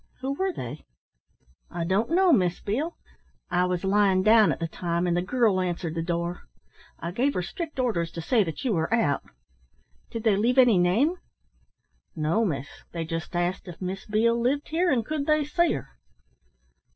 Who were they?" "I don't know, Miss Beale. I was lying down at the time, and the girl answered the door. I gave her strict orders to say that you were out." "Did they leave any name?" "No, miss. They just asked if Miss Beale lived here, and could they see her."